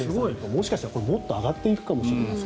もしかしたら、もっと上がっていくかもしれない。